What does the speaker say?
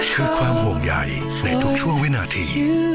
คือความห่วงใหญ่ในทุกช่วงวินาที